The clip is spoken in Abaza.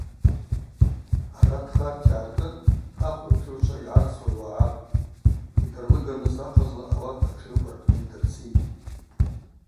Арат гъарта йгӏаркӏын ахвыгӏвтшыгӏвчва йгӏарцуа уагӏапӏ, йдырлыгырныс ахъазла ауат атшыгӏвква рпны йдырцитӏ.